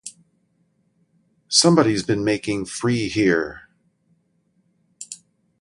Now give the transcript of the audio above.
Somebody's been making free here!